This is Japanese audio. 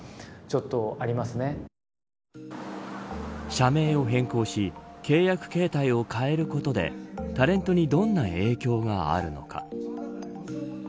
社名を変更し契約形態を変えることでタレントにどんな影響があるのか。